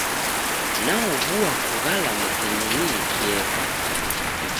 Naobua kughala mzinyi niekeri.